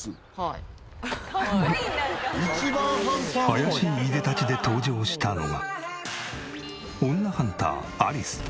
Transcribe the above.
怪しいいでたちで登場したのは女ハンターアリス。